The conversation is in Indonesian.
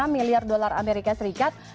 empat belas enam miliar dolar amerika serikat